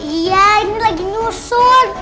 iya ini lagi nyusun